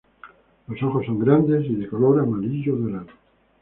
Los ojos son grandes y de color amarillo dorado.